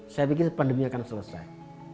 saya pikir pandemi akan selesai